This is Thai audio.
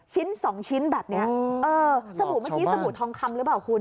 ชิ้นสองชิ้นแบบนี้เออสบู่เมื่อกี้สบู่ทองคำหรือเปล่าคุณ